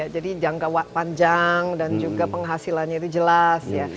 jadi jangka panjang dan juga penghasilannya itu jelas